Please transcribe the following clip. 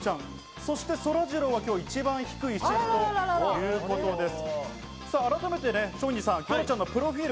そしてそらジローは今日一番低い支持ということです。